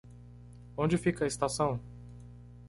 Onde fica a estação?